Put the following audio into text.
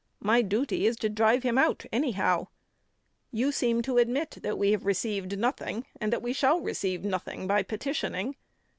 My duty is to drive him out anyhow. You seem to admit that we have received nothing, and that we shall receive nothing by petitioning.